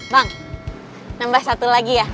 bang nambah satu lagi ya